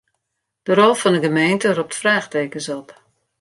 De rol fan 'e gemeente ropt fraachtekens op.